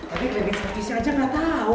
tapi klinik spesiesnya aja enggak tahu